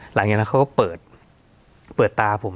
หลังจากนั้นเขาก็เปิดตาผม